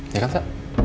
ya kan sa